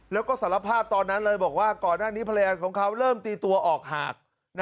แล้วก็สารภาพตอนนั้นเลยบอกว่าก่อนหน้านี้ภรรยาของเขาเริ่มตีตัวออกหาก